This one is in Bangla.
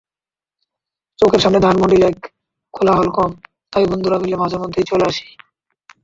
চোখের সামনে ধানমন্ডি লেক, কোলাহল কম, তাই বন্ধুরা মিলে মাঝেমধ্যেই চলে আসি।